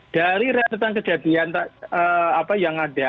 dari rentetan kejadian apa yang ada